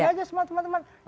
gak ada semua teman teman